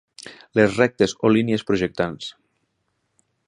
Les rectes o línies projectants.